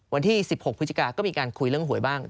วันที่๑๖พฤศจิกาก็มีการคุยเรื่องหวยบ้าง